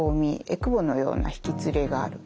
えくぼのようなひきつれがある。